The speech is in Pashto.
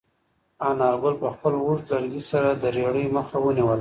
انارګل په خپل اوږد لرګي سره د رېړې مخه ونیوله.